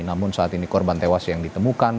namun saat ini korban tewas yang ditemukan